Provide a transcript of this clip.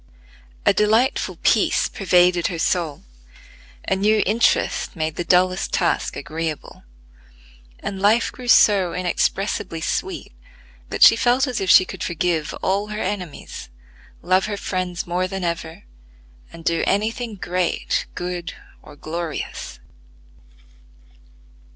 A delightful peace pervaded her soul, a new interest made the dullest task agreeable, and life grew so inexpressibly sweet that she felt as if she could forgive all her enemies, love her friends more than ever, and do any thing great, good, or glorious.